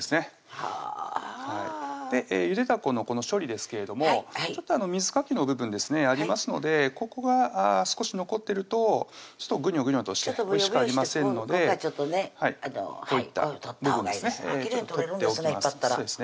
はぁゆでだこの処理ですけれども水かきの部分ありますのでここが少し残ってるとグニョグニョとしておいしくありませんのでこういった部分ですねちょっと取っておきます